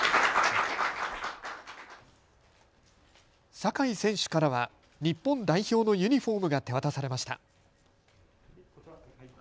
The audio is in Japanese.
酒井選手からは日本代表のユニフォームが手渡されました。